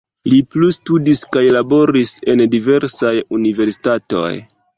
Li plustudis kaj laboris en diversaj universitatoj.